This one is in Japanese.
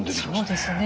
そうですね。